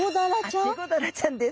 あっチゴダラちゃんです